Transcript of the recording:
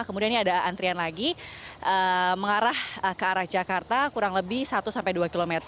kemudian ini ada antrian lagi mengarah ke arah jakarta kurang lebih satu sampai dua km